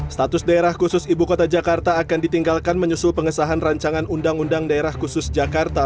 status daerah khusus ibu kota jakarta akan ditinggalkan menyusul pengesahan rancangan undang undang daerah khusus jakarta